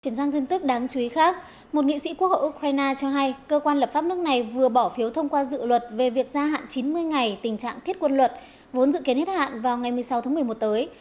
chuyển sang thông tin đáng chú ý khác một nghị sĩ quốc hội ukraine cho hay cơ quan lập pháp nước này vừa bỏ phiếu thông qua dự luật về việc gia hạn chín mươi ngày tình trạng thiết quân luật vốn dự kiến hết hạn vào ngày một mươi sáu tháng một mươi một tới